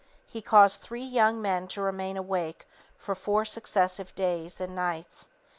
He caused three young men to remain awake for four successive days and nights.